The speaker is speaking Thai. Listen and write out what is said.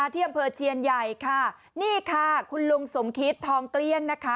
ที่อำเภอเชียนใหญ่ค่ะนี่ค่ะคุณลุงสมคิตทองเกลี้ยงนะคะ